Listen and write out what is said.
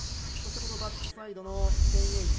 そしてバックサイド１０８０。